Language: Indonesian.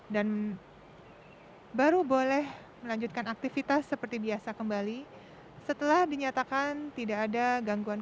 dan baru boleh melanjutkan aktivitas seperti biasa kembali setelah dinyatakan tidak ada gangguan